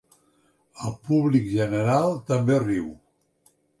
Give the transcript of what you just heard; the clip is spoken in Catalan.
El públic general també riu.